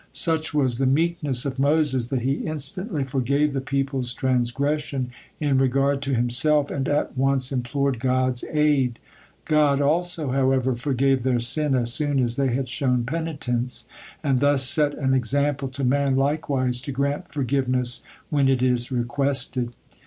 Such was the meekness of Moses, that he instantly forgave the people's transgression in regard to himself, and at once implored God's aid. God also, however, forgave their sin as soon as they had shown penitence, and thus set an example to man likewise to grant forgiveness when it is requested.